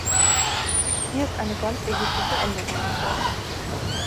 Hier ist eine ganz erhebliche Änderung erfolgt.